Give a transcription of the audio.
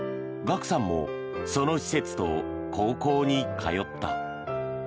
ＧＡＫＵさんもその施設と高校に通った。